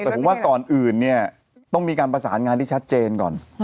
แต่ผมว่าก่อนอื่นเนี่ยต้องมีการประสานงานที่ชัดเจนก่อน